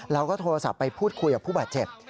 เราก็โทรศัพท์ไปพูดคุยกับผู้บาดเจ็บ